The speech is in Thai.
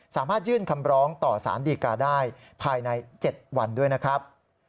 สามารถยื่นคำร้องต่อสารดีกาได้ภายใน๗วันด้วยนะครับ